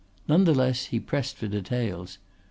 None the less he pressed for details.